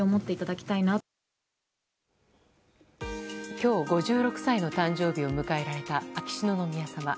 今日、５６歳の誕生日を迎えられた秋篠宮さま。